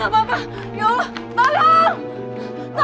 kamu gak apa apa